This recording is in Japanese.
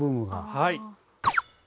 はい。